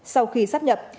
sau khi sắp nhập